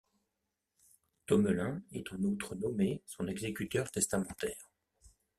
Thomelin est en outre nommé son exécuteur testamentaire.